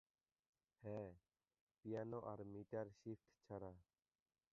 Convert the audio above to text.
হ্যাঁ, পিয়ানো আর meter shift ছাড়া।